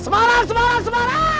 semarang semarang semarang